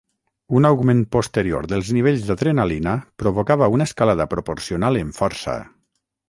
Un augment posterior dels nivells d'adrenalina provocava una escalada proporcional en força.